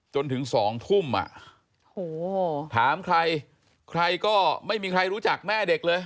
จนถึง๒ทุ่มถามใครใครก็ไม่มีใครรู้จักแม่เด็กเลย